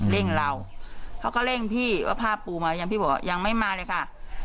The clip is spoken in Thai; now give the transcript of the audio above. ่งเราเขาก็เร่งพี่ว่าผ้าปูมาอย่างพี่บอกว่ายังไม่มาเลยค่ะ